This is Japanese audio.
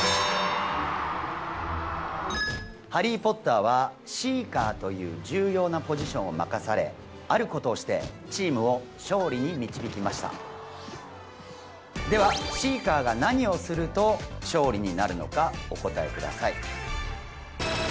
ハリー・ポッターはシーカーという重要なポジションを任されあることをしてチームを勝利に導きましたではシーカーが何をすると勝利になるのかお答えください